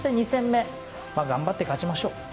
２戦目、頑張って勝ちましょう。